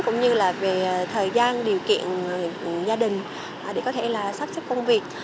cũng như là về thời gian điều kiện gia đình để có thể là sắp xếp công việc